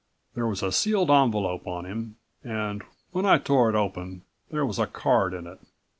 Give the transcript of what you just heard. There was a sealed envelope on him and when I tore it open there was a card in it.